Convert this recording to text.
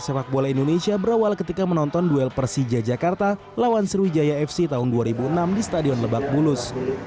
sepak bola indonesia berawal ketika menonton duel persija jakarta lawan sriwijaya fc tahun dua ribu enam di stadion lebak bulus